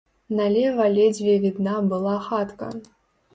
Налева ледзьве відна была хатка.